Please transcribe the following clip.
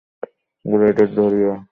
গোড়াতেই ধরিয়া লয় লেখক মিথ্যা কথা বলিতেছে।